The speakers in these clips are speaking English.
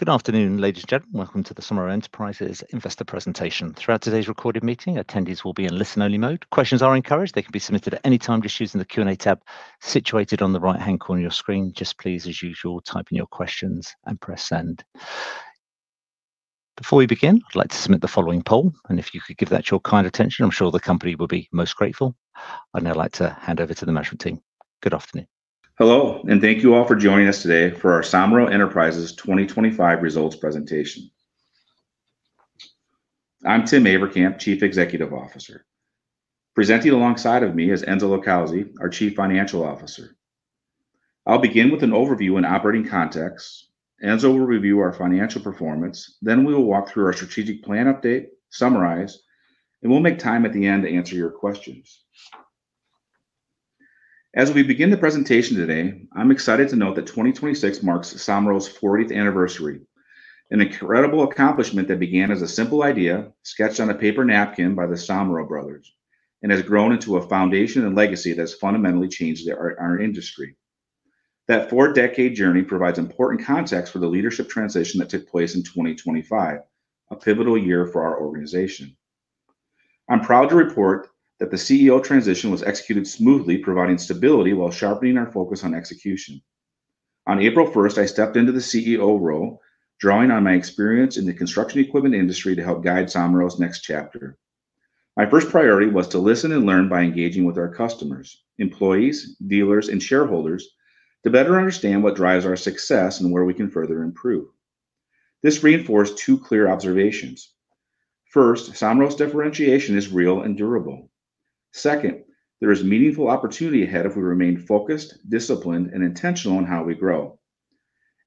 Good afternoon, ladies and gentlemen. Welcome to the Somero Enterprises Investor Presentation. Throughout today's recorded meeting, attendees will be in listen-only mode. Questions are encouraged. They can be submitted at any time just using the Q&A tab situated on the right-hand corner of your screen. Just please, as usual, type in your questions and press send. Before we begin, I'd like to submit the following poll, and if you could give that your kind attention, I'm sure the company will be most grateful. I'd now like to hand over to the management team. Good afternoon. Hello, and thank you all for joining us today for our Somero Enterprises 2025 results presentation. I'm Tim Averkamp, Chief Executive Officer. Presenting alongside of me is Vincenzo LiCausi, our Chief Financial Officer. I'll begin with an overview and operating context. Vincenzo LiCausi will review our financial performance. Then we will walk through our strategic plan update, summarize, and we'll make time at the end to answer your questions. As we begin the presentation today, I'm excited to note that 2026 marks Somero's 40th anniversary, an incredible accomplishment that began as a simple idea sketched on a paper napkin by the Somero brothers and has grown into a foundation and legacy that's fundamentally changed our industry. That four-decade journey provides important context for the leadership transition that took place in 2025, a pivotal year for our organization. I'm proud to report that the CEO transition was executed smoothly, providing stability while sharpening our focus on execution. On April 1st, I stepped into the CEO role, drawing on my experience in the construction equipment industry to help guide Somero's next chapter. My first priority was to listen and learn by engaging with our customers, employees, dealers, and shareholders to better understand what drives our success and where we can further improve. This reinforced two clear observations. First, Somero's differentiation is real and durable. Second, there is meaningful opportunity ahead if we remain focused, disciplined, and intentional in how we grow.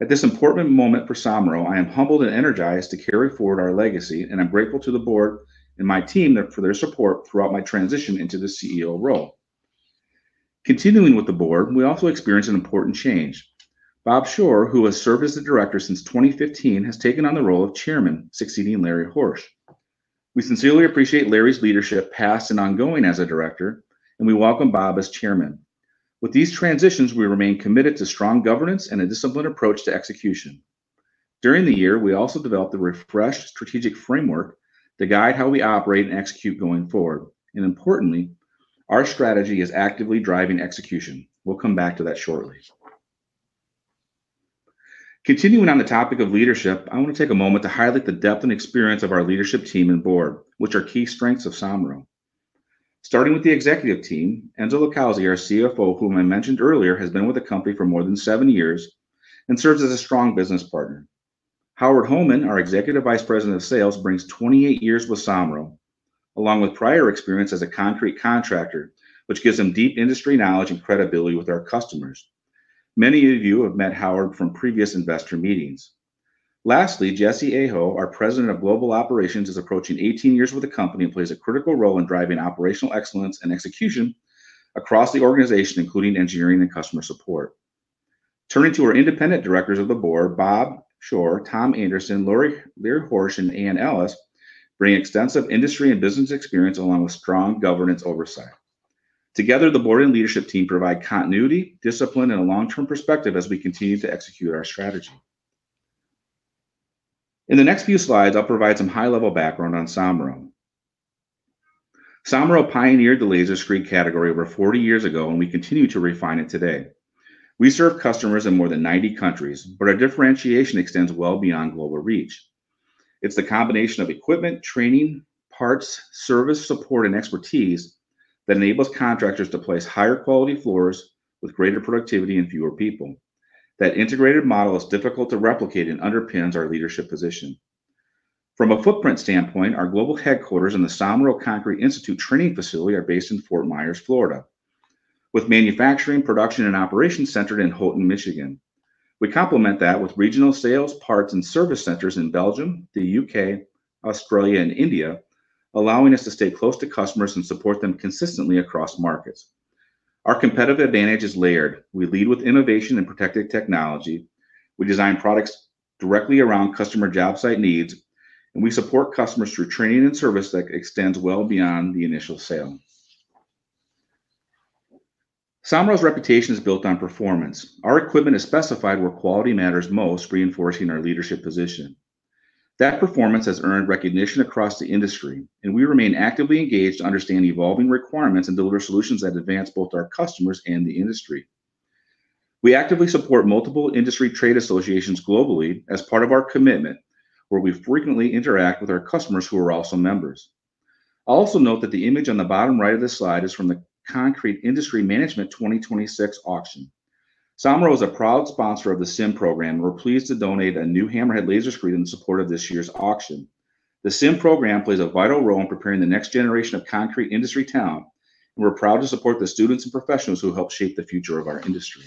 At this important moment for Somero, I am humbled and energized to carry forward our legacy, and I'm grateful to the board and my team for their support throughout my transition into the CEO role. Continuing with the board, we also experienced an important change. Bob Scheuer, who has served as the director since 2015, has taken on the role of chairman, succeeding Larry Horsch. We sincerely appreciate Larry's leadership, past and ongoing as a director, and we welcome Bob as chairman. With these transitions, we remain committed to strong governance and a disciplined approach to execution. During the year, we also developed a refreshed strategic framework to guide how we operate and execute going forward. Importantly, our strategy is actively driving execution. We'll come back to that shortly. Continuing on the topic of leadership, I want to take a moment to highlight the depth and experience of our leadership team and board, which are key strengths of Somero. Starting with the executive team, Enzo LiCausi, our CFO, whom I mentioned earlier, has been with the company for more than seven years and serves as a strong business partner. Howard Hohmann, our Executive Vice President of Sales, brings 28 years with Somero, along with prior experience as a concrete contractor, which gives him deep industry knowledge and credibility with our customers. Many of you have met Howard from previous investor meetings. Lastly, Jesse Aho, our President of Global Operations, is approaching 18 years with the company and plays a critical role in driving operational excellence and execution across the organization, including engineering and customer support. Turning to our independent directors of the board, Bob Scheuer, Tom Anderson, Larry Horsch, and Anne Ellis bring extensive industry and business experience along with strong governance oversight. Together, the board and leadership team provide continuity, discipline, and a long-term perspective as we continue to execute our strategy. In the next few slides, I'll provide some high-level background on Somero. Somero pioneered the laser screed category over 40 years ago, and we continue to refine it today. We serve customers in more than 90 countries, but our differentiation extends well beyond global reach. It's the combination of equipment, training, parts, service, support, and expertise that enables contractors to place higher quality floors with greater productivity and fewer people. That integrated model is difficult to replicate and underpins our leadership position. From a footprint standpoint, our global headquarters and the Somero Concrete Institute training facility are based in Fort Myers, Florida, with manufacturing, production, and operations centered in Houghton, Michigan. We complement that with regional sales, parts, and service centers in Belgium, the U.K., Australia, and India, allowing us to stay close to customers and support them consistently across markets. Our competitive advantage is layered. We lead with innovation and protected technology. We design products directly around customer job site needs, and we support customers through training and service that extends well beyond the initial sale. Somero's reputation is built on performance. Our equipment is specified where quality matters most, reinforcing our leadership position. That performance has earned recognition across the industry, and we remain actively engaged to understand evolving requirements and deliver solutions that advance both our customers and the industry. We actively support multiple industry trade associations globally as part of our commitment, where we frequently interact with our customers who are also members. Also note that the image on the bottom right of this slide is from the Concrete Industry Management 2026 auction. Somero is a proud sponsor of the CIM program, and we're pleased to donate a new Hammerhead laser screed in support of this year's auction. The CIM program plays a vital role in preparing the next generation of concrete industry talent, and we're proud to support the students and professionals who help shape the future of our industry.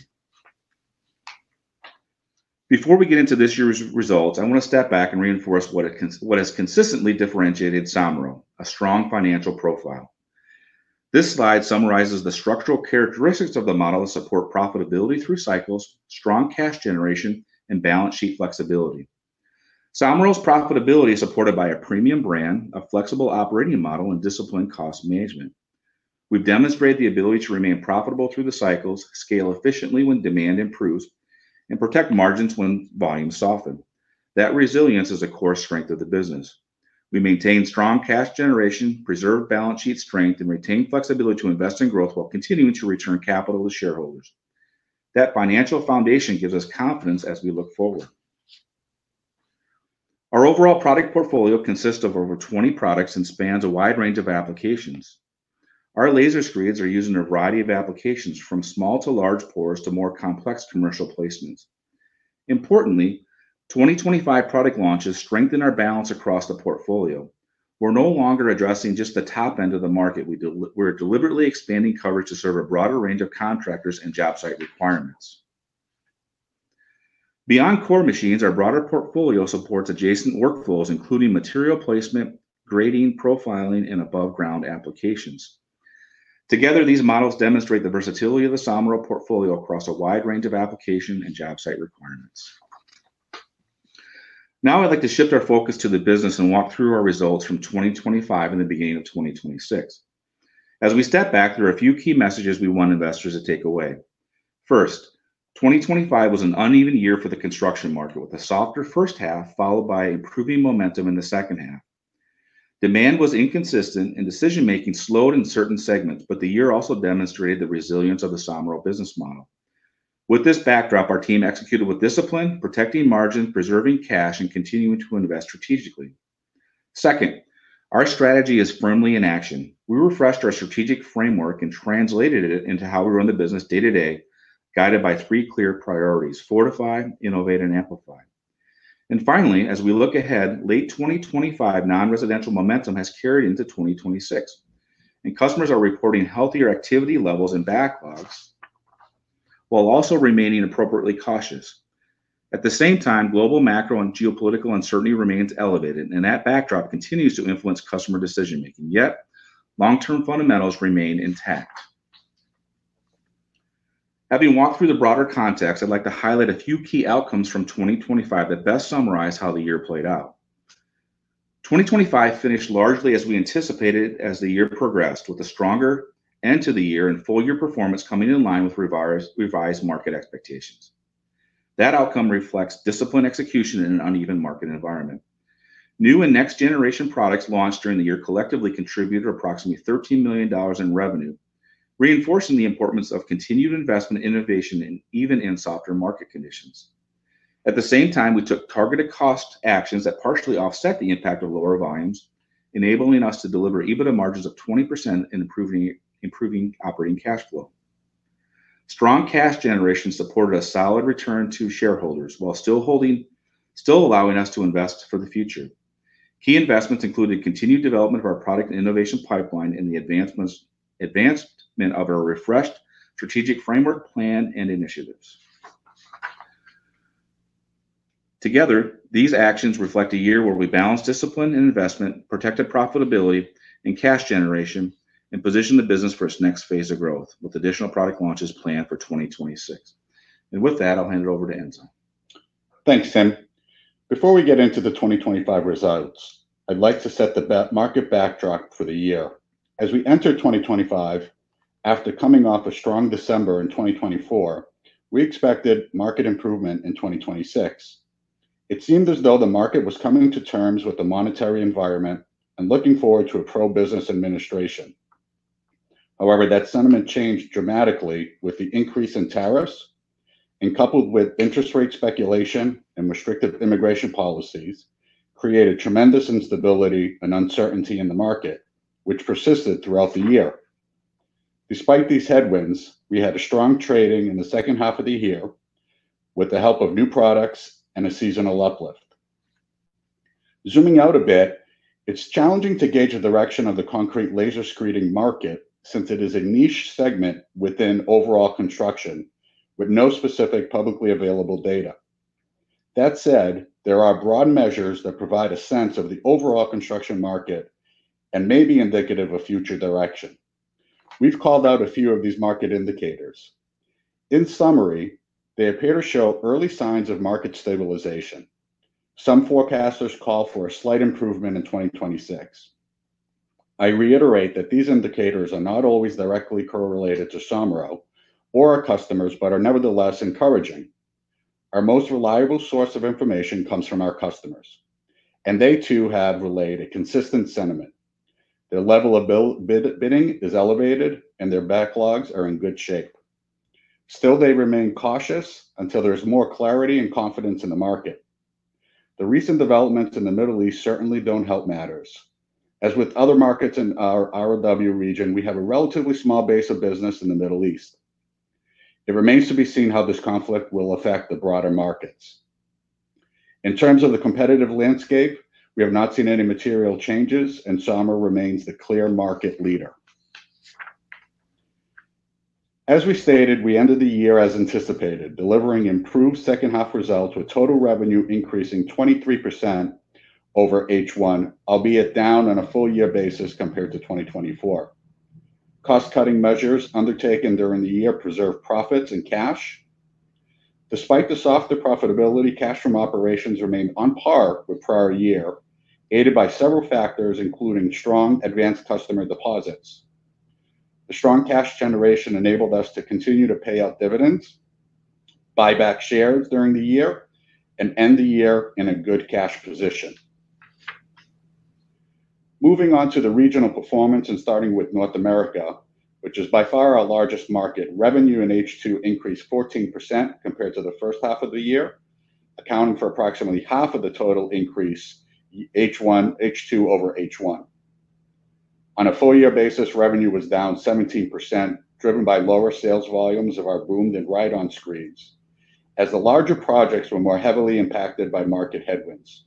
Before we get into this year's results, I want to step back and reinforce what has consistently differentiated Somero, a strong financial profile. This slide summarizes the structural characteristics of the model to support profitability through cycles, strong cash generation, and balance sheet flexibility. Somero's profitability is supported by a premium brand, a flexible operating model, and disciplined cost management. We've demonstrated the ability to remain profitable through the cycles, scale efficiently when demand improves, and protect margins when volumes soften. That resilience is a core strength of the business. We maintain strong cash generation, preserve balance sheet strength, and retain flexibility to invest in growth while continuing to return capital to shareholders. That financial foundation gives us confidence as we look forward. Our overall product portfolio consists of over 20 products and spans a wide range of applications. Our laser screeds are used in a variety of applications from small to large pours to more complex commercial placements. Importantly, 2025 product launches strengthen our balance across the portfolio. We're no longer addressing just the top end of the market. We're deliberately expanding coverage to serve a broader range of contractors and job site requirements. Beyond core machines, our broader portfolio supports adjacent workflows, including material placement, grading, profiling, and above ground applications. Together, these models demonstrate the versatility of the Somero portfolio across a wide range of application and job site requirements. Now, I'd like to shift our focus to the business and walk through our results from 2025 and the beginning of 2026. As we step back, there are a few key messages we want investors to take away. First, 2025 was an uneven year for the construction market, with a softer first half followed by improving momentum in the second half. Demand was inconsistent and decision-making slowed in certain segments, but the year also demonstrated the resilience of the Somero business model. With this backdrop, our team executed with discipline, protecting margin, preserving cash, and continuing to invest strategically. Second, our strategy is firmly in action. We refreshed our strategic framework and translated it into how we run the business day to day, guided by three clear priorities, fortify, innovate, and amplify. Finally, as we look ahead, late 2025 non-residential momentum has carried into 2026, and customers are reporting healthier activity levels and backlogs while also remaining appropriately cautious. At the same time, global macro and geopolitical uncertainty remains elevated, and that backdrop continues to influence customer decision-making, yet long-term fundamentals remain intact. Having walked through the broader context, I'd like to highlight a few key outcomes from 2025 that best summarize how the year played out. 2025 finished largely as we anticipated as the year progressed, with a stronger end to the year and full year performance coming in line with revised market expectations. That outcome reflects disciplined execution in an uneven market environment. New and next generation products launched during the year collectively contributed approximately $13 million in revenue, reinforcing the importance of continued investment innovation even in softer market conditions. At the same time, we took targeted cost actions that partially offset the impact of lower volumes, enabling us to deliver EBITDA margins of 20% and improving operating cash flow. Strong cash generation supported a solid return to shareholders while still allowing us to invest for the future. Key investments included continued development of our product and innovation pipeline and the advancement of our refreshed strategic framework plan and initiatives. Together, these actions reflect a year where we balanced discipline and investment, protected profitability and cash generation, and positioned the business for its next phase of growth, with additional product launches planned for 2026. With that, I'll hand it over to Enzo. Thanks, Tim. Before we get into the 2025 results, I'd like to set the market backdrop for the year. As we enter 2025, after coming off a strong December in 2024, we expected market improvement in 2026. It seemed as though the market was coming to terms with the monetary environment and looking forward to a pro-business administration. However, that sentiment changed dramatically with the increase in tariffs, and coupled with interest rate speculation and restrictive immigration policies, created tremendous instability and uncertainty in the market, which persisted throughout the year. Despite these headwinds, we had a strong trading in the second half of the year with the help of new products and a seasonal uplift. Zooming out a bit, it's challenging to gauge the direction of the concrete laser screed market since it is a niche segment within overall construction with no specific publicly available data. That said, there are broad measures that provide a sense of the overall construction market and may be indicative of future direction. We've called out a few of these market indicators. In summary, they appear to show early signs of market stabilization. Some forecasters call for a slight improvement in 2026. I reiterate that these indicators are not always directly correlated to Somero or our customers, but are nevertheless encouraging. Our most reliable source of information comes from our customers, and they too have relayed a consistent sentiment. Their level of bidding is elevated and their backlogs are in good shape. Still, they remain cautious until there's more clarity and confidence in the market. The recent developments in the Middle East certainly don't help matters. As with other markets in our ROW region, we have a relatively small base of business in the Middle East. It remains to be seen how this conflict will affect the broader markets. In terms of the competitive landscape, we have not seen any material changes and Somero remains the clear market leader. We stated, we ended the year as anticipated, delivering improved second half results with total revenue increasing 23% over H1, albeit down on a full year basis compared to 2024. Cost-cutting measures undertaken during the year preserved profits and cash. Despite the softer profitability, cash from operations remained on par with prior year aided by several factors, including strong advanced customer deposits. The strong cash generation enabled us to continue to pay out dividends, buy back shares during the year and end the year in a good cash position. Moving on to the regional performance and starting with North America, which is by far our largest market. Revenue in H2 increased 14% compared to the first half of the year, accounting for approximately half of the total increase H2 over H1. On a full year basis, revenue was down 17%, driven by lower sales volumes of our boom and ride-on screeds as the larger projects were more heavily impacted by market headwinds.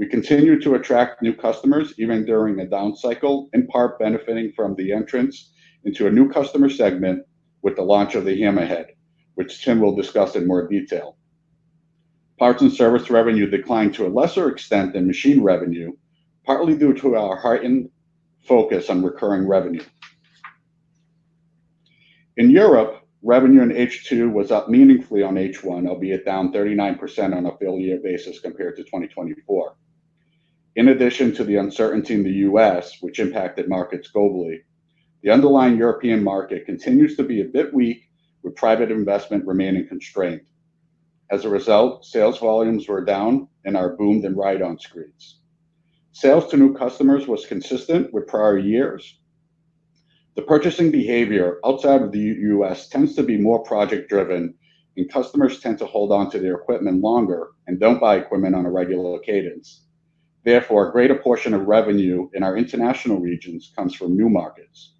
We continued to attract new customers even during a down cycle, in part benefiting from the entrance into a new customer segment with the launch of the Hammerhead, which Tim will discuss in more detail. Parts and service revenue declined to a lesser extent than machine revenue, partly due to our heightened focus on recurring revenue. In Europe, revenue in H2 was up meaningfully on H1, albeit down 39% on a full year basis compared to 2024. In addition to the uncertainty in the U.S. which impacted markets globally, the underlying European market continues to be a bit weak, with private investment remaining constrained. As a result, sales volumes were down in our boomed and ride-on screeds. Sales to new customers was consistent with prior years. The purchasing behavior outside of the U.S. tends to be more project driven, and customers tend to hold on to their equipment longer and don't buy equipment on a regular cadence. Therefore, a greater portion of revenue in our international regions comes from new markets.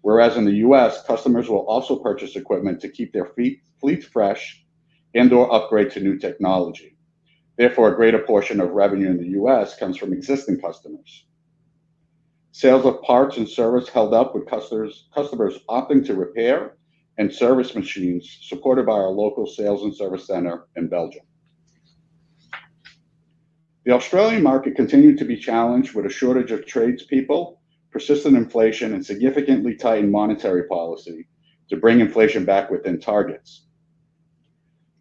Whereas in the U.S., customers will also purchase equipment to keep their fleets fresh and/or upgrade to new technology. Therefore, a greater portion of revenue in the U.S. comes from existing customers. Sales of parts and service held up, with customers opting to repair and service machines supported by our local sales and service center in Belgium. The Australian market continued to be challenged with a shortage of tradespeople, persistent inflation and significantly tightened monetary policy to bring inflation back within targets.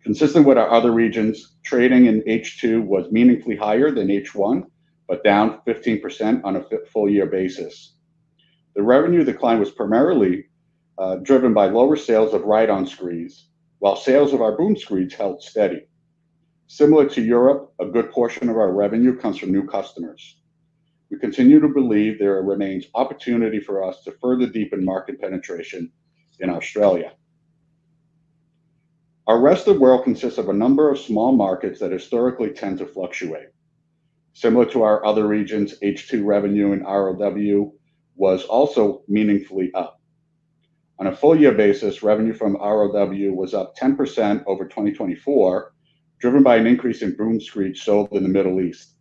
Consistent with our other regions, trading in H2 was meaningfully higher than H1, but down 15% on a full year basis. The revenue decline was primarily driven by lower sales of ride-on screeds, while sales of our boom screeds held steady. Similar to Europe, a good portion of our revenue comes from new customers. We continue to believe there remains opportunity for us to further deepen market penetration in Australia. Our rest of world consists of a number of small markets that historically tend to fluctuate. Similar to our other regions, H2 revenue in ROW was also meaningfully up. On a full year basis, revenue from ROW was up 10% over 2024, driven by an increase in boom screeds sold in the Middle East.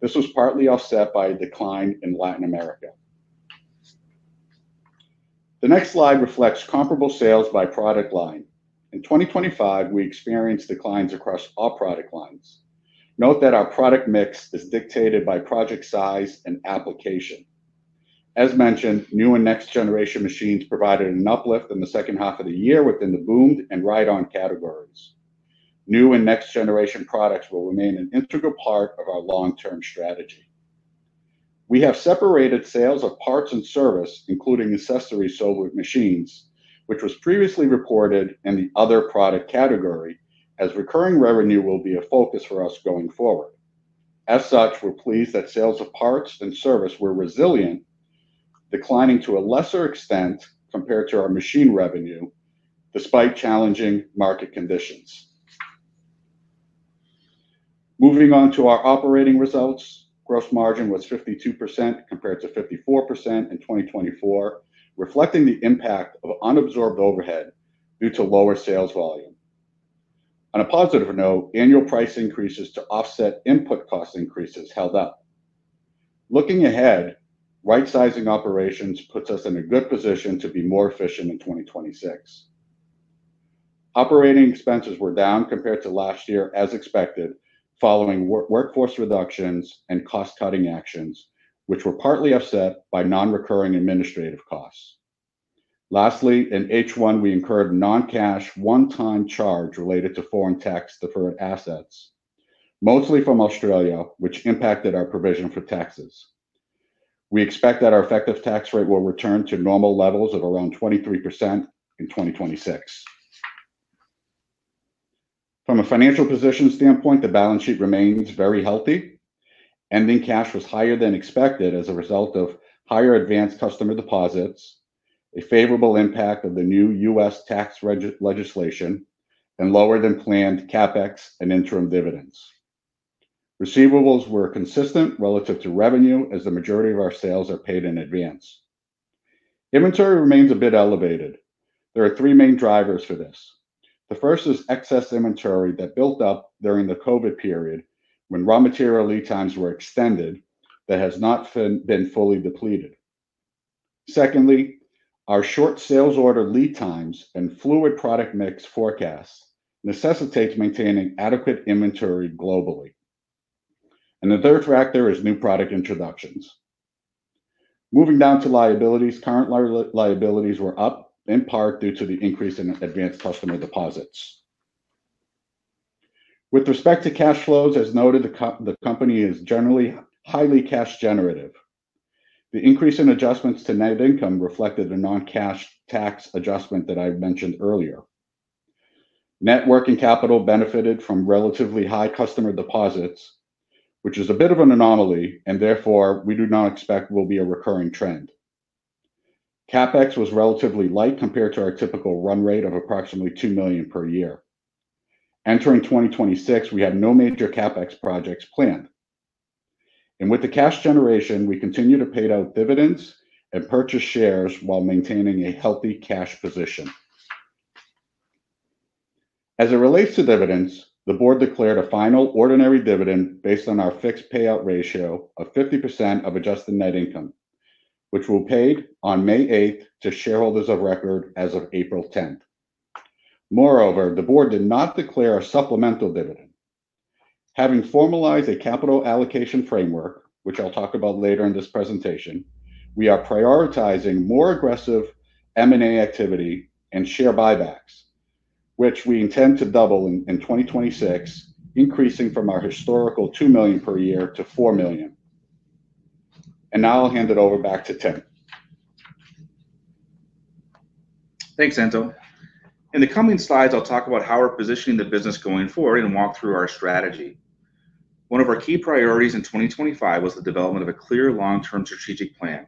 This was partly offset by a decline in Latin America. The next slide reflects comparable sales by product line. In 2025, we experienced declines across all product lines. Note that our product mix is dictated by project size and application. As mentioned, new and next generation machines provided an uplift in the second half of the year within the boom and ride-on categories. New and next generation products will remain an integral part of our long term strategy. We have separated sales of parts and service, including accessories sold with machines, which was previously reported in the other product category, as recurring revenue will be a focus for us going forward. As such, we're pleased that sales of parts and service were resilient, declining to a lesser extent compared to our machine revenue despite challenging market conditions. Moving on to our operating results. Gross margin was 52% compared to 54% in 2024, reflecting the impact of unabsorbed overhead due to lower sales volume. On a positive note, annual price increases to offset input cost increases held up. Looking ahead, rightsizing operations puts us in a good position to be more efficient in 2026. Operating expenses were down compared to last year as expected, following workforce reductions and cost cutting actions which were partly offset by non-recurring administrative costs. Lastly, in H1, we incurred non-cash one-time charge related to foreign tax deferred assets, mostly from Australia, which impacted our provision for taxes. We expect that our effective tax rate will return to normal levels of around 23% in 2026. From a financial position standpoint, the balance sheet remains very healthy. Ending cash was higher than expected as a result of higher advanced customer deposits, a favorable impact of the new U.S. tax legislation, and lower than planned CapEx and interim dividends. Receivables were consistent relative to revenue as the majority of our sales are paid in advance. Inventory remains a bit elevated. There are three main drivers for this. The first is excess inventory that built up during the COVID period when raw material lead times were extended that has not been fully depleted. Secondly, our short sales order lead times and fluid product mix forecasts necessitates maintaining adequate inventory globally. The third factor is new product introductions. Moving down to liabilities. Current liabilities were up in part due to the increase in advanced customer deposits. With respect to cash flows, as noted, the company is generally highly cash generative. The increase in adjustments to net income reflected a non-cash tax adjustment that I mentioned earlier. Net working capital benefited from relatively high customer deposits, which is a bit of an anomaly and therefore we do not expect will be a recurring trend. CapEx was relatively light compared to our typical run rate of approximately $2 million per year. Entering 2026, we have no major CapEx projects planned. With the cash generation, we continue to pay out dividends and purchase shares while maintaining a healthy cash position. As it relates to dividends, the board declared a final ordinary dividend based on our fixed payout ratio of 50% of adjusted net income, which were paid on May 8 to shareholders of record as of April 10. Moreover, the board did not declare a supplemental dividend. Having formalized a capital allocation framework, which I'll talk about later in this presentation, we are prioritizing more aggressive M&A activity and share buybacks, which we intend to double in 2026, increasing from our historical 2 million per year to 4 million. Now I'll hand it over back to Tim. Thanks, Enzo. In the coming slides, I'll talk about how we're positioning the business going forward and walk through our strategy. One of our key priorities in 2025 was the development of a clear long-term strategic plan.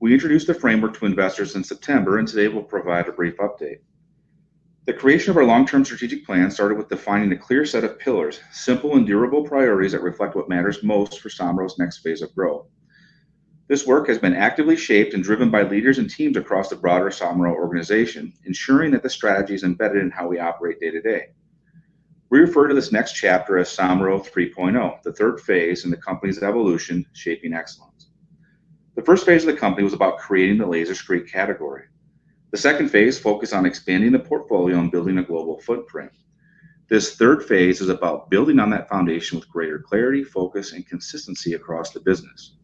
We introduced the framework to investors in September, and today we'll provide a brief update. The creation of our long-term strategic plan started with defining a clear set of pillars, simple and durable priorities that reflect what matters most for Somero's next phase of growth. This work has been actively shaped and driven by leaders and teams across the broader Somero organization, ensuring that the strategy is embedded in how we operate day to day. We refer to this next chapter as Somero 3.0, the third phase in the company's evolution shaping excellence. The first phase of the company was about creating the laser screed category. The second phase focused on expanding the portfolio and building a global footprint. This third phase is about building on that foundation with greater clarity, focus, and consistency across the business.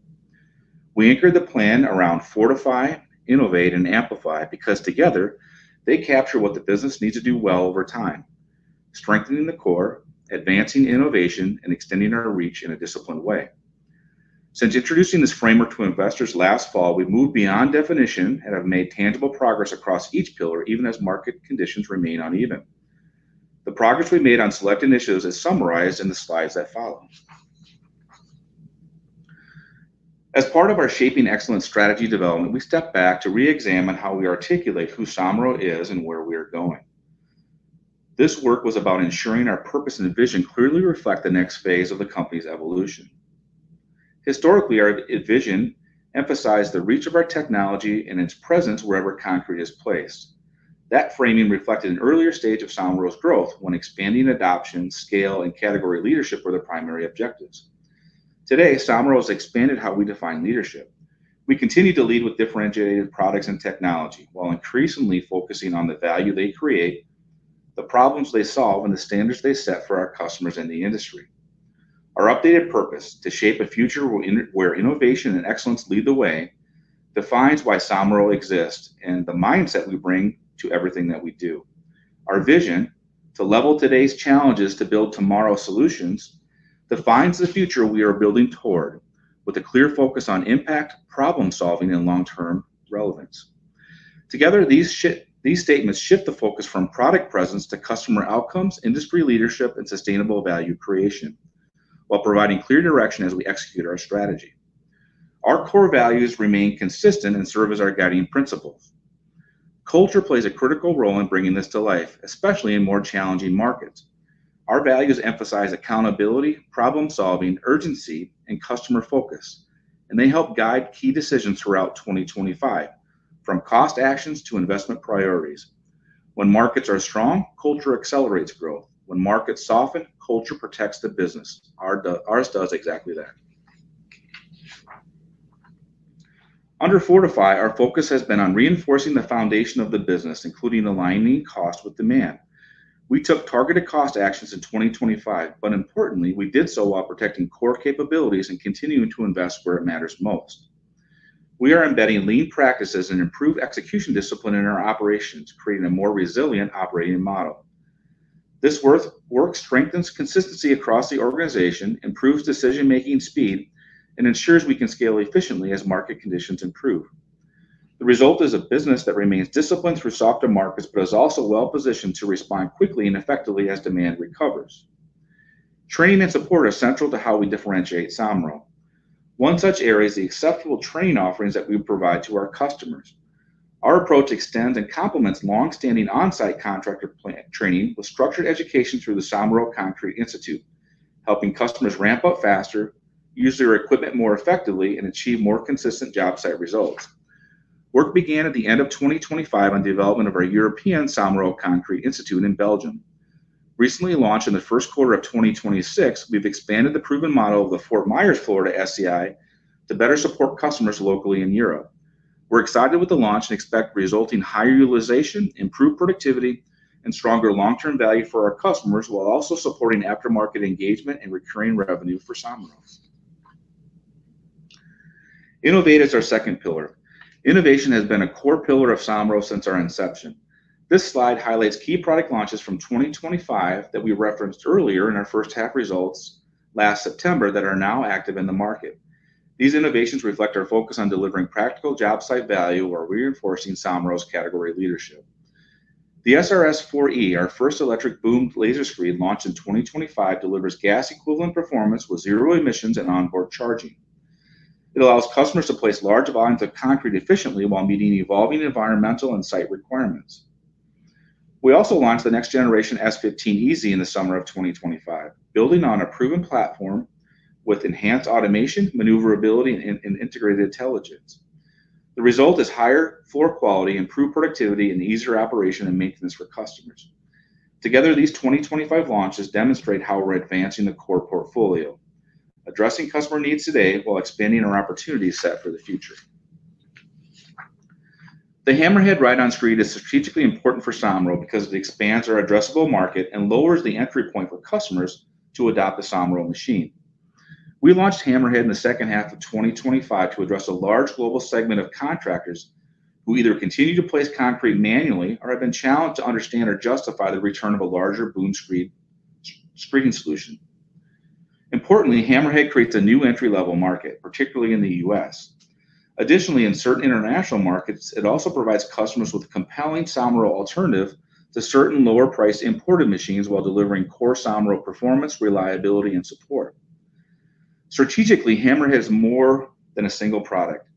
We anchor the plan around fortify, innovate, and amplify because together they capture what the business needs to do well over time, strengthening the core, advancing innovation, and extending our reach in a disciplined way. Since introducing this framework to investors last fall, we've moved beyond definition and have made tangible progress across each pillar, even as market conditions remain uneven. The progress we've made on select initiatives is summarized in the slides that follow. As part of our shaping excellence strategy development, we stepped back to reexamine how we articulate who Somero is and where we are going. This work was about ensuring our purpose and vision clearly reflect the next phase of the company's evolution. Historically, our vision emphasized the reach of our technology and its presence wherever concrete is placed. That framing reflected an earlier stage of Somero's growth when expanding adoption, scale, and category leadership were the primary objectives. Today, Somero has expanded how we define leadership. We continue to lead with differentiated products and technology while increasingly focusing on the value they create, the problems they solve, and the standards they set for our customers in the industry. Our updated purpose, to shape a future where innovation and excellence lead the way, defines why Somero exists and the mindset we bring to everything that we do. Our vision, to level today's challenges to build tomorrow's solutions, defines the future we are building toward with a clear focus on impact, problem-solving, and long-term relevance. Together, these statements shift the focus from product presence to customer outcomes, industry leadership, and sustainable value creation while providing clear direction as we execute our strategy. Our core values remain consistent and serve as our guiding principles. Culture plays a critical role in bringing this to life, especially in more challenging markets. Our values emphasize accountability, problem-solving, urgency, and customer focus, and they help guide key decisions throughout 2025 from cost actions to investment priorities. When markets are strong, culture accelerates growth. When markets soften, culture protects the business. Ours does exactly that. Under fortify, our focus has been on reinforcing the foundation of the business, including aligning cost with demand. We took targeted cost actions in 2025, but importantly, we did so while protecting core capabilities and continuing to invest where it matters most. We are embedding lean practices and improved execution discipline in our operations, creating a more resilient operating model. This work strengthens consistency across the organization, improves decision-making speed, and ensures we can scale efficiently as market conditions improve. The result is a business that remains disciplined through softer markets but is also well-positioned to respond quickly and effectively as demand recovers. Training and support are central to how we differentiate Somero. One such area is the exceptional training offerings that we provide to our customers. Our approach extends and complements long-standing on-site contractor training with structured education through the Somero Concrete Institute, helping customers ramp up faster, use their equipment more effectively, and achieve more consistent job site results. Work began at the end of 2025 on development of our European Somero Concrete Institute in Belgium. Recently launched in the first quarter of 2026, we've expanded the proven model of the Fort Myers, Florida, SCI to better support customers locally in Europe. We're excited with the launch and expect resulting higher utilization, improved productivity, and stronger long-term value for our customers while also supporting aftermarket engagement and recurring revenue for Somero. Innovate is our second pillar. Innovation has been a core pillar of Somero since our inception. This slide highlights key product launches from 2025 that we referenced earlier in our first half results last September that are now active in the market. These innovations reflect our focus on delivering practical job site value while reinforcing Somero's category leadership. The SRS-4/e, our first electric boom laser screed launched in 2025, delivers gas equivalent performance with zero emissions and onboard charging. It allows customers to place large volumes of concrete efficiently while meeting evolving environmental and site requirements. We also launched the next generation S-15EZ in the summer of 2025, building on a proven platform with enhanced automation, maneuverability, and integrated intelligence. The result is higher floor quality, improved productivity, and easier operation and maintenance for customers. Together, these 2025 launches demonstrate how we're advancing the core portfolio, addressing customer needs today while expanding our opportunity set for the future. The Hammerhead ride-on screed is strategically important for Somero because it expands our addressable market and lowers the entry point for customers to adopt a Somero machine. We launched Hammerhead in the second half of 2025 to address a large global segment of contractors who either continue to place concrete manually or have been challenged to understand or justify the return of a larger boom screed, screeding solution. Importantly, Hammerhead creates a new entry-level market, particularly in the U.S. Additionally, in certain international markets, it also provides customers with a compelling Somero alternative to certain lower-priced imported machines while delivering core Somero performance, reliability, and support. Strategically, Hammerhead is more than a single product.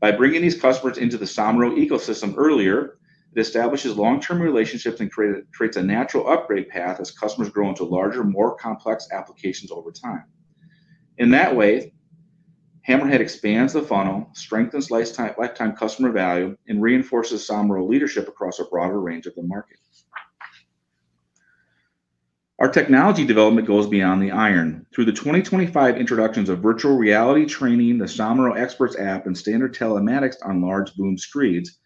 By bringing these customers into the Somero ecosystem earlier, it establishes long-term relationships and creates a natural upgrade path as customers grow into larger, more complex applications over time. In that way, Hammerhead expands the funnel, strengthens lifetime customer value, and reinforces Somero leadership across a broader range of the market. Our technology development goes beyond the iron. Through the 2025 introductions of virtual reality training, the Somero Experts App, and standard telematics on large boom screeds,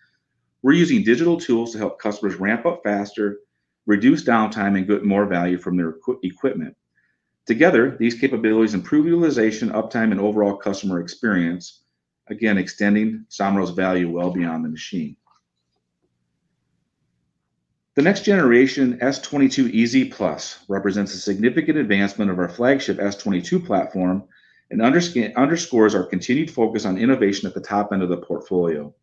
we're using digital tools to help customers ramp up faster, reduce downtime, and get more value from their equipment. Together, these capabilities improve utilization, uptime, and overall customer experience, again, extending Somero's value well beyond the machine. The next generation S-22EZ+ represents a significant advancement of our flagship S-22 platform and underscores our continued focus on innovation at the top end of the portfolio.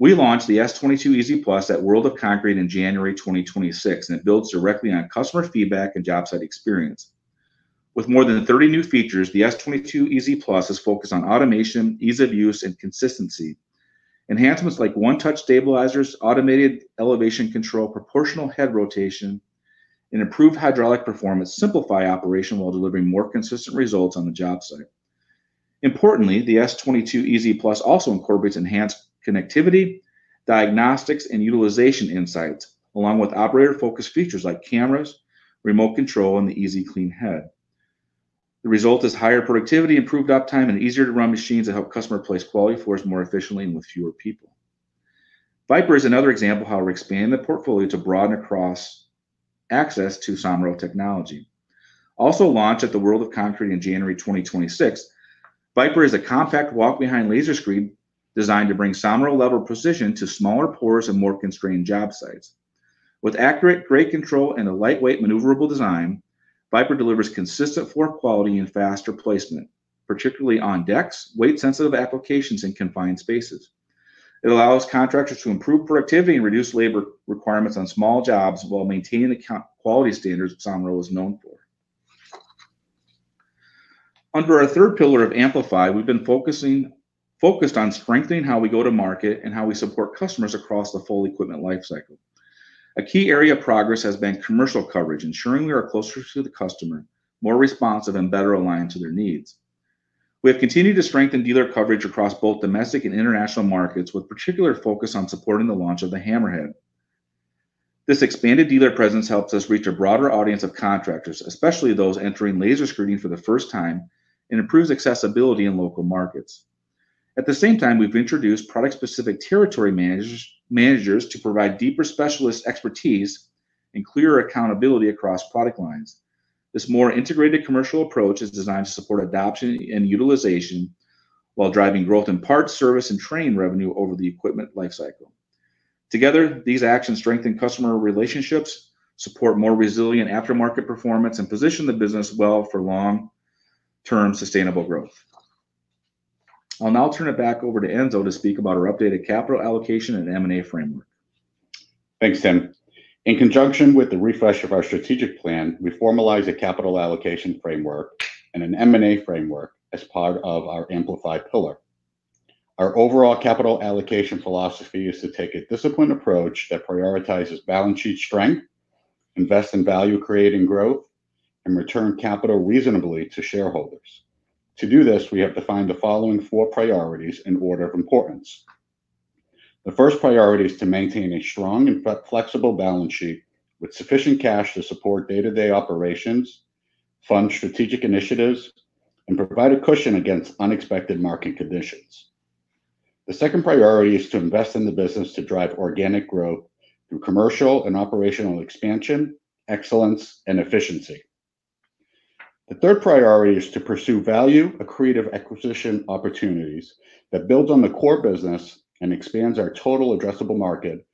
We launched the S-22EZ+ at World of Concrete in January 2026, and it builds directly on customer feedback and job site experience. With more than 30 new features, the S-22EZ+ is focused on automation, ease of use, and consistency. Enhancements like one-touch stabilizers, automated elevation control, proportional head rotation, and improved hydraulic performance simplify operation while delivering more consistent results on the job site. Importantly, the S-22EZ+ also incorporates enhanced connectivity, diagnostics, and utilization insights, along with operator-focused features like cameras, remote control, and the EZ Clean Head. The result is higher productivity, improved uptime, and easier to run machines that help customer place quality floors more efficiently and with fewer people. Viper is another example of how we're expanding the portfolio to broaden access to Somero technology. Launched at the World of Concrete in January 2026, Viper is a compact walk-behind laser screed designed to bring Somero level precision to smaller pours and more constrained job sites. With accurate grade control and a lightweight maneuverable design, Viper delivers consistent floor quality and faster placement, particularly on decks, weight-sensitive applications, and confined spaces. It allows contractors to improve productivity and reduce labor requirements on small jobs while maintaining the high-quality standards Somero is known for. Under our third pillar of Amplify, we've been focused on strengthening how we go to market and how we support customers across the full equipment lifecycle. A key area of progress has been commercial coverage, ensuring we are closer to the customer, more responsive, and better aligned to their needs. We have continued to strengthen dealer coverage across both domestic and international markets, with particular focus on supporting the launch of the Hammerhead. This expanded dealer presence helps us reach a broader audience of contractors, especially those entering laser screeding for the first time, and improves accessibility in local markets. At the same time, we've introduced product-specific territory managers to provide deeper specialist expertise and clearer accountability across product lines. This more integrated commercial approach is designed to support adoption and utilization while driving growth in parts, service, and training revenue over the equipment lifecycle. Together, these actions strengthen customer relationships, support more resilient aftermarket performance, and position the business well for long-term sustainable growth. I'll now turn it back over to Enzo to speak about our updated capital allocation and M&A framework. Thanks, Tim. In conjunction with the refresh of our strategic plan, we formalized a capital allocation framework and an M&A framework as part of our Amplify pillar. Our overall capital allocation philosophy is to take a disciplined approach that prioritizes balance sheet strength, invest in value-creating growth, and return capital reasonably to shareholders. To do this, we have defined the following four priorities in order of importance. The first priority is to maintain a strong and flexible balance sheet with sufficient cash to support day-to-day operations, fund strategic initiatives, and provide a cushion against unexpected market conditions. The second priority is to invest in the business to drive organic growth through commercial and operational expansion, excellence and efficiency. The third priority is to pursue value, accretive acquisition opportunities that builds on the core business and expands our total addressable market,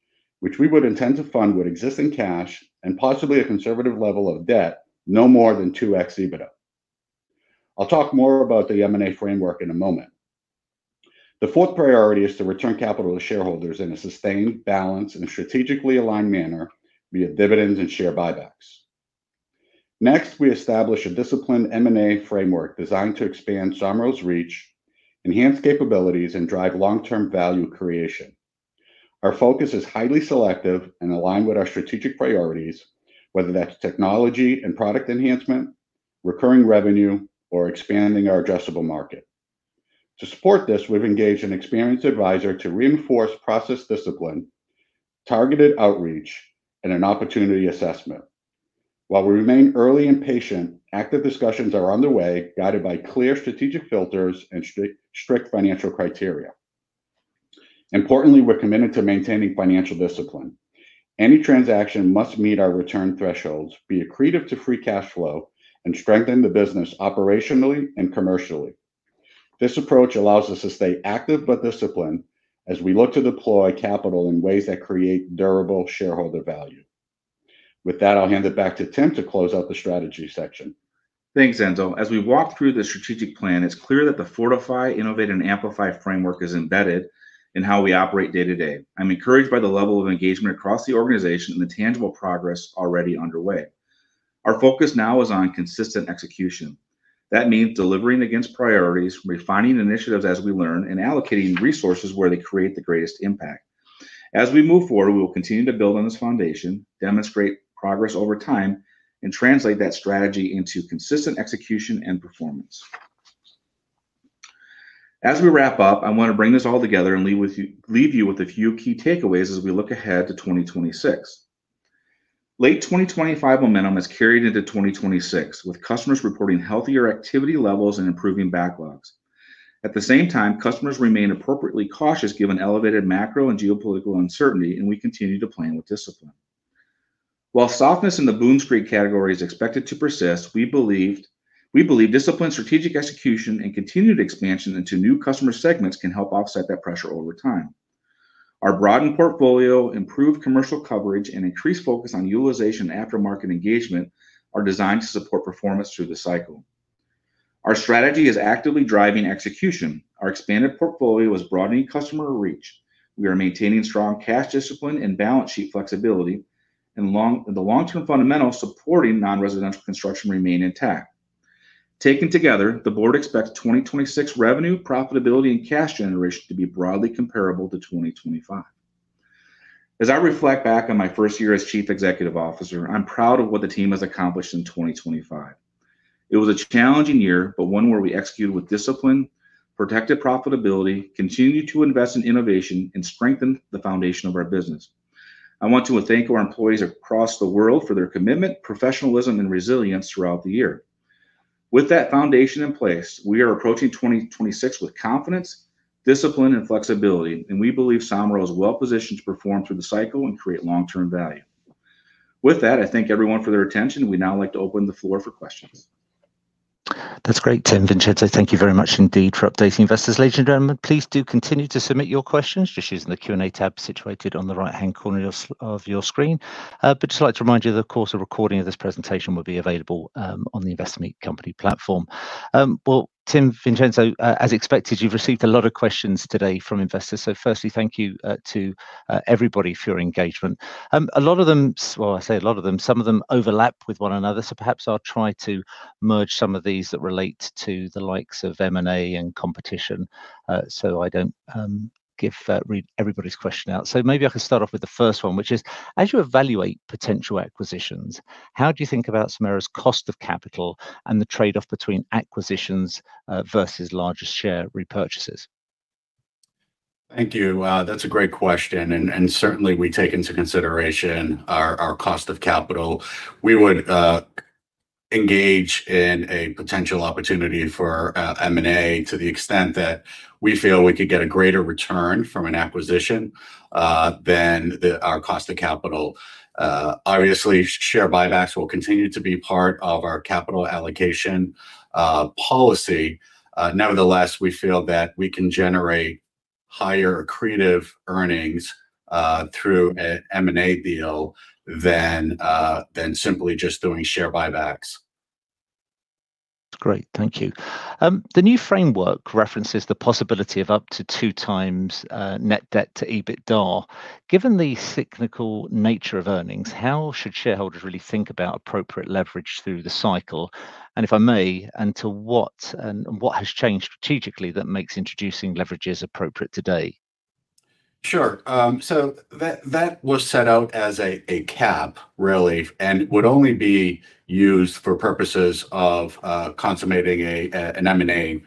which we would intend to fund with existing cash and possibly a conservative level of debt, no more than 2x EBITDA. I'll talk more about the M&A framework in a moment. The fourth priority is to return capital to shareholders in a sustained, balanced, and strategically aligned manner via dividends and share buybacks. Next, we establish a disciplined M&A framework designed to expand Somero's reach, enhance capabilities, and drive long-term value creation. Our focus is highly selective and aligned with our strategic priorities, whether that's technology and product enhancement, recurring revenue, or expanding our addressable market. To support this, we've engaged an experienced advisor to reinforce process discipline, targeted outreach, and an opportunity assessment. While we remain early and patient, active discussions are underway, guided by clear strategic filters and strict financial criteria. Importantly, we're committed to maintaining financial discipline. Any transaction must meet our return thresholds, be accretive to free cash flow, and strengthen the business operationally and commercially. This approach allows us to stay active but disciplined as we look to deploy capital in ways that create durable shareholder value. With that, I'll hand it back to Tim to close out the strategy section. Thanks, Enzo. As we walk through the strategic plan, it's clear that the fortify, innovate, and amplify framework is embedded in how we operate day to day. I'm encouraged by the level of engagement across the organization and the tangible progress already underway. Our focus now is on consistent execution. That means delivering against priorities, refining initiatives as we learn, and allocating resources where they create the greatest impact. As we move forward, we will continue to build on this foundation, demonstrate progress over time, and translate that strategy into consistent execution and performance. As we wrap up, I wanna bring this all together and leave you with a few key takeaways as we look ahead to 2026. Late 2025 momentum is carried into 2026, with customers reporting healthier activity levels and improving backlogs. At the same time, customers remain appropriately cautious given elevated macro and geopolitical uncertainty, and we continue to plan with discipline. While softness in the boom screed category is expected to persist, we believe disciplined strategic execution and continued expansion into new customer segments can help offset that pressure over time. Our broadened portfolio, improved commercial coverage, and increased focus on utilization aftermarket engagement are designed to support performance through the cycle. Our strategy is actively driving execution. Our expanded portfolio is broadening customer reach. We are maintaining strong cash discipline and balance sheet flexibility, and the long-term fundamentals supporting non-residential construction remain intact. Taken together, the board expects 2026 revenue, profitability, and cash generation to be broadly comparable to 2025. As I reflect back on my first year as chief executive officer, I'm proud of what the team has accomplished in 2025. It was a challenging year, but one where we executed with discipline, protected profitability, continued to invest in innovation, and strengthened the foundation of our business. I want to thank our employees across the world for their commitment, professionalism, and resilience throughout the year. With that foundation in place, we are approaching 2026 with confidence, discipline, and flexibility, and we believe Somero is well-positioned to perform through the cycle and create long-term value. With that, I thank everyone for their attention. We'd now like to open the floor for questions. That's great, Tim and Vincenzo, thank you very much indeed for updating investors. Ladies and gentlemen, please do continue to submit your questions just using the Q&A tab situated on the right-hand corner of your screen. I just like to remind you that of course, a recording of this presentation will be available on the Investor Meet Company platform. Well, Tim and Vincenzo, as expected, you've received a lot of questions today from investors. Firstly, thank you to everybody for your engagement. A lot of them, some of them overlap with one another, so perhaps I'll try to merge some of these that relate to the likes of M&A and competition, so I don't give everybody's question out. Maybe I can start off with the first one, which is: as you evaluate potential acquisitions, how do you think about Somero's cost of capital and the trade-off between acquisitions versus larger share repurchases? Thank you. That's a great question, and certainly we take into consideration our cost of capital. We would engage in a potential opportunity for M&A to the extent that we feel we could get a greater return from an acquisition than our cost of capital. Obviously, share buybacks will continue to be part of our capital allocation policy. Nevertheless, we feel that we can generate higher accretive earnings through a M&A deal than simply just doing share buybacks. Great. Thank you. The new framework references the possibility of up to 2x net debt to EBITDA. Given the cyclical nature of earnings, how should shareholders really think about appropriate leverage through the cycle? If I may, to what has changed strategically that makes introducing leverage appropriate today? Sure. So that was set out as a cap really, and would only be used for purposes of consummating an M&A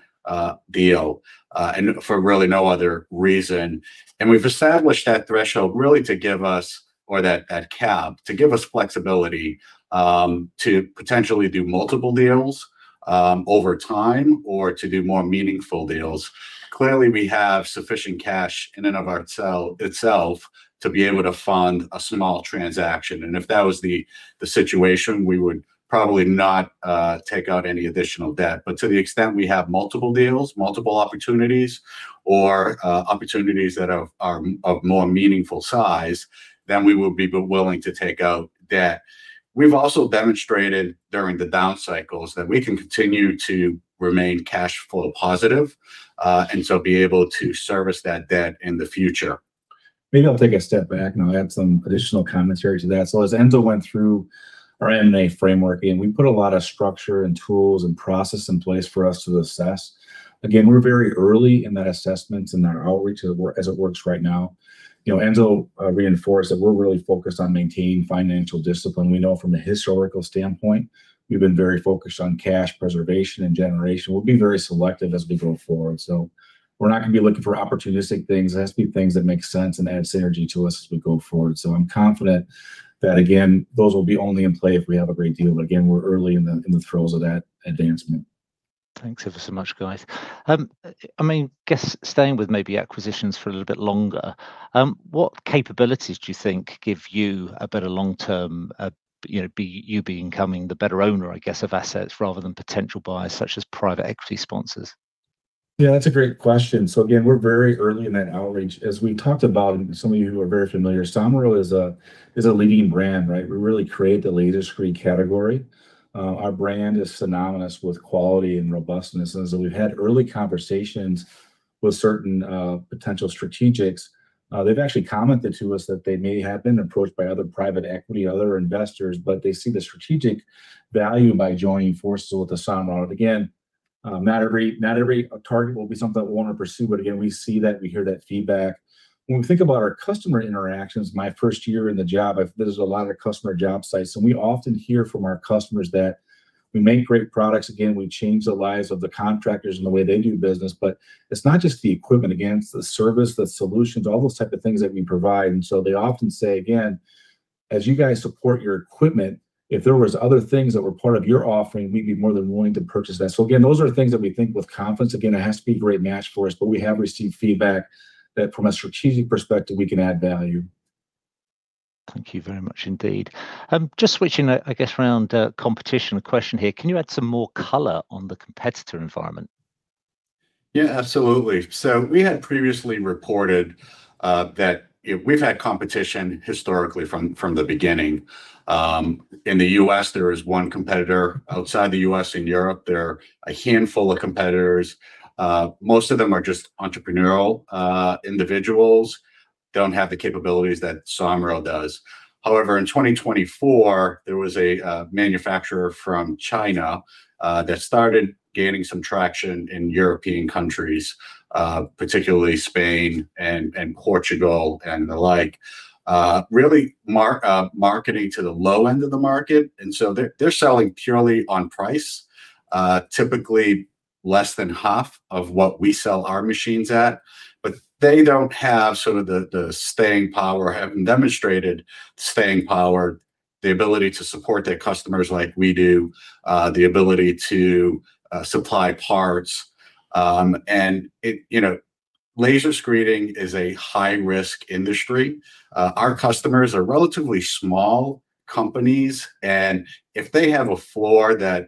deal, and for really no other reason. We've established that threshold really to give us, or that cap, to give us flexibility to potentially do multiple deals over time or to do more meaningful deals. Clearly, we have sufficient cash in and of itself to be able to fund a small transaction. If that was the situation, we would probably not take out any additional debt. To the extent we have multiple deals, multiple opportunities, or opportunities that are of more meaningful size, then we will be willing to take out debt. We've also demonstrated during the down cycles that we can continue to remain cash flow positive, and so be able to service that debt in the future. Maybe I'll take a step back and I'll add some additional commentary to that. As Enzo went through our M&A framework, and we put a lot of structure and tools and process in place for us to assess. Again, we're very early in that assessment and that outreach as it works right now. You know, Enzo reinforced that we're really focused on maintaining financial discipline. We know from a historical standpoint, we've been very focused on cash preservation and generation. We'll be very selective as we go forward, so we're not gonna be looking for opportunistic things. It has to be things that make sense and add synergy to us as we go forward. I'm confident that, again, those will be only in play if we have a great deal. Again, we're early in the throes of that advancement. Thanks ever so much, guys. I mean, staying with maybe acquisitions for a little bit longer, what capabilities do you think give you a better long-term, you know, you becoming the better owner, I guess, of assets rather than potential buyers such as private equity sponsors? Yeah, that's a great question. Again, we're very early in that outreach. As we talked about, and some of you who are very familiar, Somero is a leading brand, right? We really created the laser screed category. Our brand is synonymous with quality and robustness. As we've had early conversations with certain potential strategics, they've actually commented to us that they may have been approached by other private equity, other investors, but they see the strategic value by joining forces with Somero. Again, not every target will be something that we wanna pursue, but again, we see that, we hear that feedback. When we think about our customer interactions, my first year in the job, I've visited a lot of customer job sites, and we often hear from our customers that we make great products. Again, we change the lives of the contractors and the way they do business. It's not just the equipment, again, it's the service, the solutions, all those type of things that we provide. They often say, again, as you guys support your equipment, if there was other things that were part of your offering, we'd be more than willing to purchase that. Again, those are things that we think with confidence. Again, it has to be a great match for us, but we have received feedback that from a strategic perspective, we can add value. Thank you very much indeed. Just switching, I guess, around, competition question here. Can you add some more color on the competitor environment? Yeah, absolutely. We had previously reported that we've had competition historically from the beginning. In the U.S., there is one competitor. Outside the U.S. and Europe, there are a handful of competitors. Most of them are just entrepreneurial individuals, don't have the capabilities that Somero does. However, in 2024, there was a manufacturer from China that started gaining some traction in European countries, particularly Spain and Portugal and the like, really marketing to the low end of the market. They're selling purely on price, typically less than half of what we sell our machines at. They don't have sort of the staying power, haven't demonstrated staying power, the ability to support their customers like we do, the ability to supply parts. You know, laser screeding is a high-risk industry. Our customers are relatively small companies, and if they have a floor that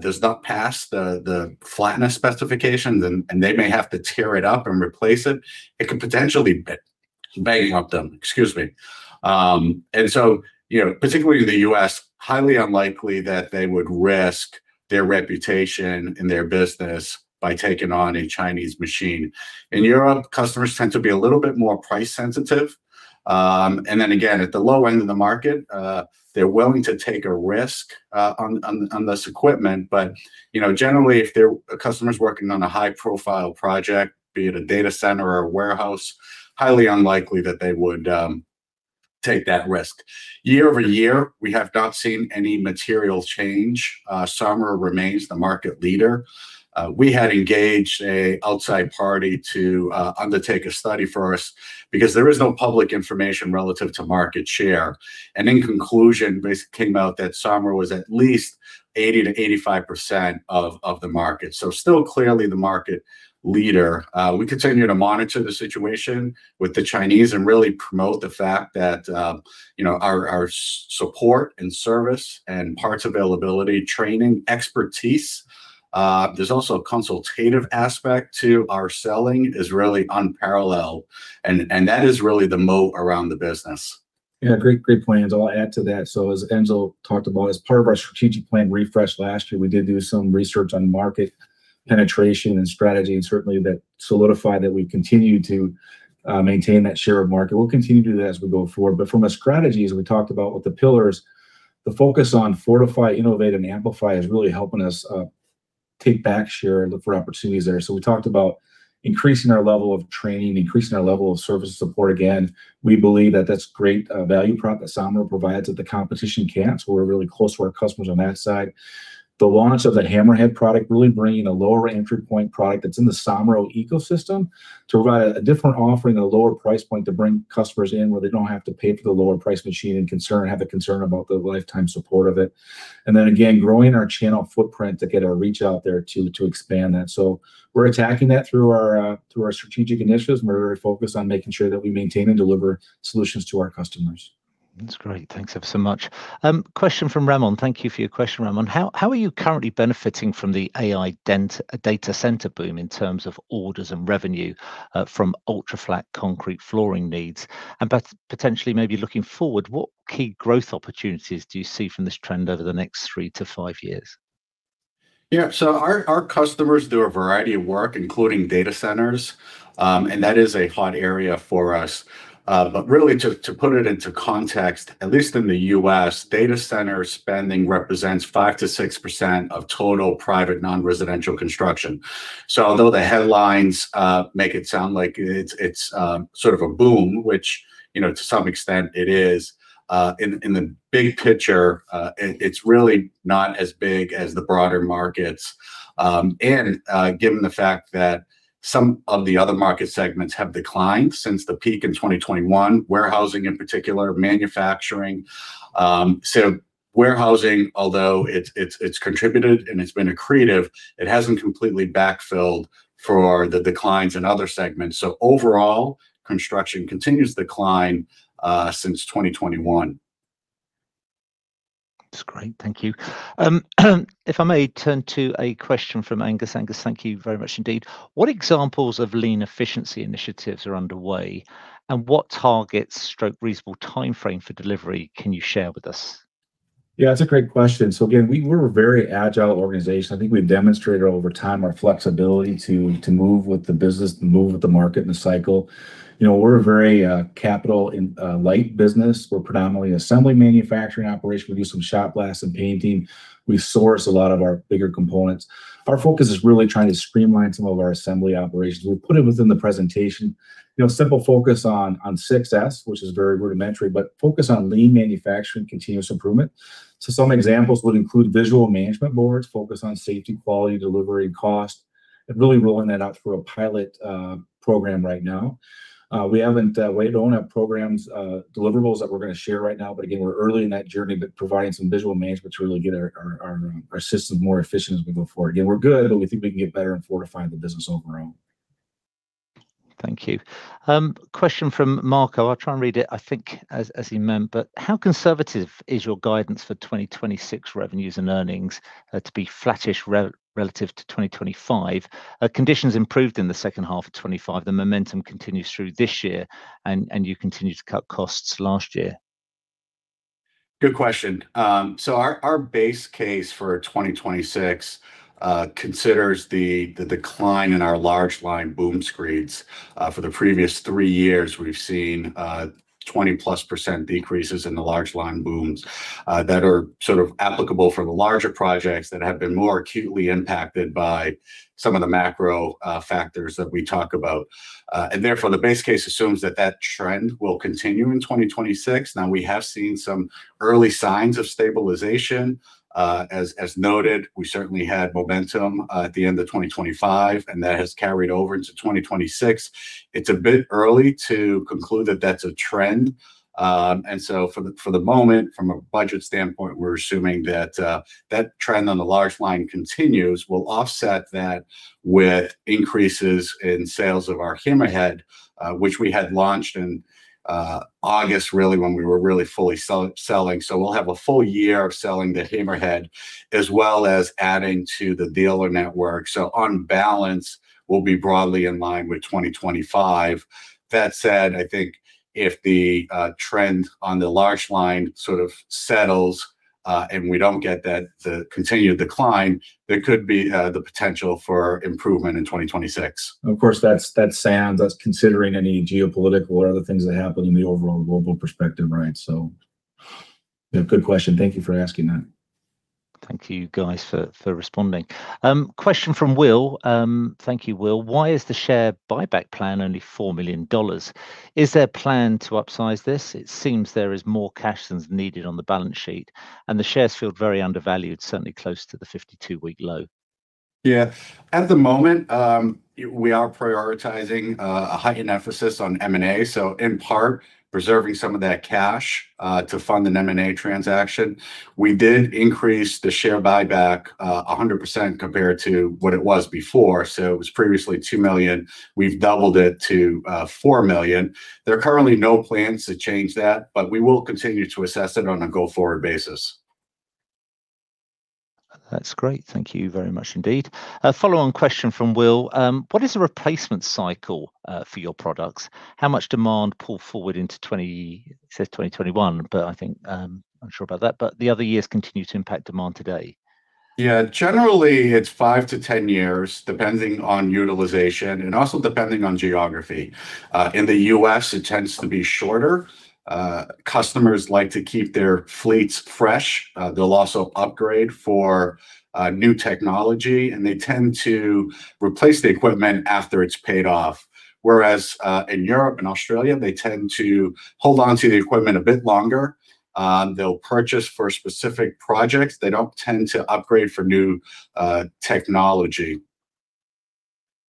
does not pass the flatness specification, then they may have to tear it up and replace it. It can potentially be very tough on them. You know, particularly in the U.S., highly unlikely that they would risk their reputation and their business by taking on a Chinese machine. In Europe, customers tend to be a little bit more price sensitive. Again, at the low end of the market, they're willing to take a risk on this equipment. You know, generally, if they're customers working on a high-profile project, be it a data center or a warehouse, highly unlikely that they would take that risk. Year-over-year, we have not seen any material change. Somero remains the market leader. We had engaged a outside party to undertake a study for us because there is no public information relative to market share. In conclusion, basically came out that Somero was at least 80%-85% of the market. Still clearly the market leader. We continue to monitor the situation with the Chinese and really promote the fact that, you know, our support and service and parts availability, training, expertise, there's also a consultative aspect to our selling is really unparalleled, and that is really the moat around the business. Yeah. Great point. I'll add to that. As Enzo talked about, as part of our strategic plan refresh last year, we did do some research on market penetration and strategy, and certainly that solidified that we continue to maintain that market share. We'll continue to do that as we go forward. From a strategy, as we talked about with the pillars, the focus on fortify, innovate, and amplify is really helping us. Take back share, look for opportunities there. We talked about increasing our level of training, increasing our level of service support. Again, we believe that that's great value prop that Somero provides that the competition can't, so we're really close to our customers on that side. The launch of that Hammerhead product really bringing a lower entry point product that's in the Somero ecosystem to provide a different offering at a lower price point to bring customers in where they don't have to pay for the lower price machine and have a concern about the lifetime support of it. And then again, growing our channel footprint to get our reach out there to expand that. We're attacking that through our strategic initiatives, and we're very focused on making sure that we maintain and deliver solutions to our customers. That's great. Thanks ever so much. Question from Ramon. Thank you for your question, Ramon. How are you currently benefiting from the AI data center boom in terms of orders and revenue from ultra-flat concrete flooring needs? Potentially maybe looking forward, what key growth opportunities do you see from this trend over the next three to five years? Yeah. Our customers do a variety of work, including data centers, and that is a hot area for us. But really to put it into context, at least in the U.S., data center spending represents 5%-6% of total private non-residential construction. Although the headlines make it sound like it's sort of a boom, which, you know, to some extent it is, in the big picture, it's really not as big as the broader markets. Given the fact that some of the other market segments have declined since the peak in 2021, warehousing in particular, manufacturing. Warehousing, although it's contributed and it's been accretive, it hasn't completely backfilled for the declines in other segments. Overall, construction continues to decline since 2021. That's great. Thank you. If I may turn to a question from Angus. Angus, thank you very much indeed. What examples of lean efficiency initiatives are underway, and what targets or reasonable timeframe for delivery can you share with us? Yeah, it's a great question. Again, we're a very agile organization. I think we've demonstrated over time our flexibility to move with the business, to move with the market and the cycle. You know, we're a very capital light business. We're predominantly assembly manufacturing operation. We do some shot blast and painting. We source a lot of our bigger components. Our focus is really trying to streamline some of our assembly operations. We put it within the presentation. You know, simple focus on success, which is very rudimentary, but focus on lean manufacturing, continuous improvement. Some examples would include visual management boards, focus on safety, quality, delivery, cost, and really rolling that out for a pilot program right now. We don't have programs, deliverables that we're gonna share right now, but again, we're early in that journey, but providing some visual management to really get our system more efficient as we move forward. Again, we're good, but we think we can get better and fortify the business overall. Thank you. Question from Marco. I'll try and read it, I think as he meant, but how conservative is your guidance for 2026 revenues and earnings to be flattish relative to 2025? Conditions improved in the second half of 2025. The momentum continues through this year, and you continued to cut costs last year. Good question. So our base case for 2026 considers the decline in our large line boom screeds. For the previous three years, we've seen 20%+ decreases in the large line booms that are sort of applicable for the larger projects that have been more acutely impacted by some of the macro factors that we talk about. Therefore, the base case assumes that trend will continue in 2026. Now, we have seen some early signs of stabilization. As noted, we certainly had momentum at the end of 2025, and that has carried over into 2026. It's a bit early to conclude that that's a trend. For the moment, from a budget standpoint, we're assuming that trend on the large line continues. We'll offset that with increases in sales of our Hammerhead, which we had launched in August, really when we were really fully selling. We'll have a full year of selling the Hammerhead, as well as adding to the dealer network. On balance, we'll be broadly in line with 2025. That said, I think if the trend on the large line sort of settles and we don't get that, the continued decline, there could be the potential for improvement in 2026. Of course, that's sans us considering any geopolitical or other things that happen in the overall global perspective, right? Yeah, good question. Thank you for asking that. Thank you guys for responding. Question from Will. Thank you, Will. Why is the share buyback plan only $4 million? Is there a plan to upsize this? It seems there is more cash than is needed on the balance sheet, and the shares feel very undervalued, certainly close to the 52-week low. Yeah. At the moment, we are prioritizing a heightened emphasis on M&A, so in part preserving some of that cash to fund an M&A transaction. We did increase the share buyback 100% compared to what it was before, so it was previously $2 million. We've doubled it to $4 million. There are currently no plans to change that, but we will continue to assess it on a go-forward basis. That's great. Thank you very much indeed. A follow-on question from Will. What is the replacement cycle for your products? How much demand pull forward into 2021? He said 2021, but I think I'm not sure about that, but the other years continue to impact demand today. Yeah, generally it's five to 10 years, depending on utilization and also depending on geography. In the U.S. it tends to be shorter. Customers like to keep their fleets fresh. They'll also upgrade for new technology, and they tend to replace the equipment after it's paid off. Whereas in Europe and Australia, they tend to hold on to the equipment a bit longer. They'll purchase for specific projects. They don't tend to upgrade for new technology.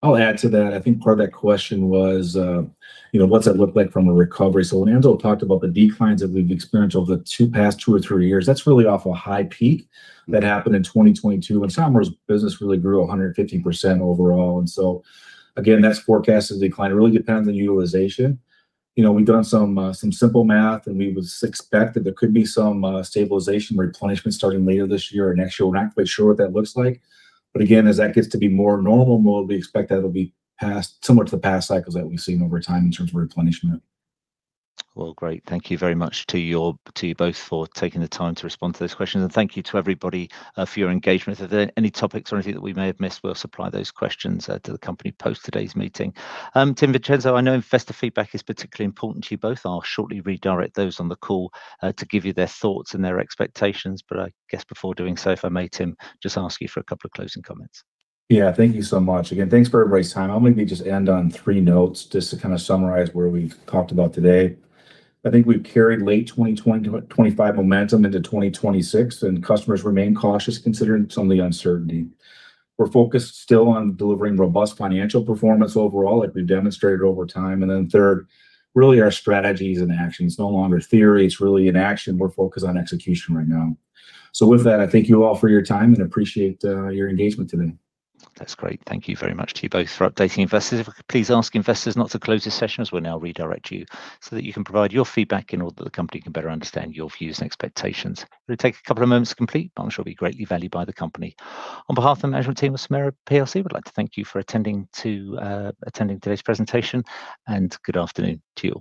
I'll add to that. I think part of that question was, you know, what's that look like from a recovery? When Vincenzo talked about the declines that we've experienced over the past two or three years, that's really off a high peak that happened in 2022 when Somero's business really grew 150% overall. Again, that's forecasted decline. It really depends on utilization. You know, we've done some simple math, and we would expect that there could be some stabilization replenishment starting later this year or next year. We're not quite sure what that looks like. Again, as that gets to be more normal model, we expect that it'll be past similar to the past cycles that we've seen over time in terms of replenishment. Well, great. Thank you very much to you both for taking the time to respond to those questions. Thank you to everybody for your engagement. If there are any topics or anything that we may have missed, we'll supply those questions to the company post today's meeting. Tim, Vincenzo, I know investor feedback is particularly important to you both. I'll shortly redirect those on the call to give you their thoughts and their expectations. I guess before doing so, if I may, Tim, just ask you for a couple of closing comments. Yeah. Thank you so much. Again, thanks for everybody's time. I'll maybe just end on three notes just to kind of summarize where we've talked about today. I think we've carried late 2020 to 2025 momentum into 2026, and customers remain cautious considering some of the uncertainty. We're focused still on delivering robust financial performance overall like we've demonstrated over time. Then third, really our strategies and actions no longer theory. It's really in action. We're focused on execution right now. With that, I thank you all for your time and appreciate your engagement today. That's great. Thank you very much to you both for updating investors. If I could please ask investors not to close this session, as we'll now redirect you so that you can provide your feedback in order that the company can better understand your views and expectations. It'll take a couple of moments to complete, but I'm sure it'll be greatly valued by the company. On behalf of the management team of Somero Enterprises, Inc, we'd like to thank you for attending today's presentation, and good afternoon to you.